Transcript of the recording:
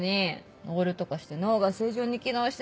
オールとかして脳が正常に機能してない！